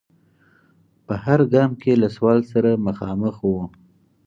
په هر ګام کې له سوال سره مخامخ و.